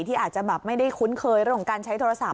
ที่อาจจะแบบไม่ได้คุ้นเคยเรื่องของการใช้โทรศัพ